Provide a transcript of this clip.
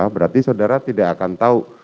berarti saudara tidak akan tahu